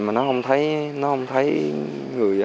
mà nó không thấy người